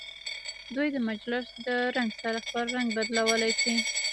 دوی د مجلس د رنګ سره خپل رنګ بدلولی شي.